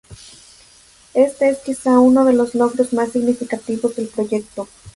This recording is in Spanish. Este es quizá uno de los logros más significativos del proyecto.